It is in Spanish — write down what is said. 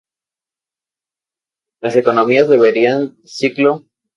Las economías deberían ciclo"".